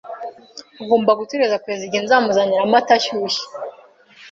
Agomba gutegereza kugeza igihe nzamuzanira amata ashyushye.